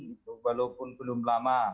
itu walaupun belum lama